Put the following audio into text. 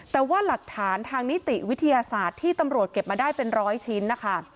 แต่ว่าหลักฐานทางนิติวิทยาศาสตร์ที่ตำรวจเก็บมาได้เป็นร้อยชิ้นนะคะ